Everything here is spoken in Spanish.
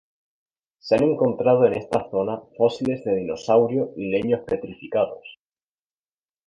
Se han encontrado en esta zona fósiles de dinosaurio y leños petrificados.